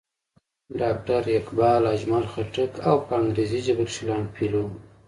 ډاکټر اقبال، اجمل خټک او پۀ انګريزي ژبه کښې لانګ فيلو